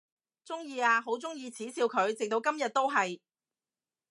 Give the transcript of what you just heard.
鍾意啊，好鍾意恥笑佢，直到今日都係！